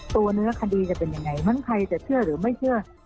เนื้อคดีจะเป็นยังไงมั้งใครจะเชื่อหรือไม่เชื่อ